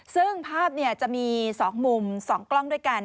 ซึ่งภาพจะมี๒มุม๒กล้องด้วยกัน